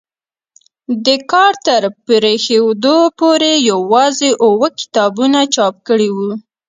د کار تر پرېښودو پورې یوازې اووه کتابونه چاپ کړي وو.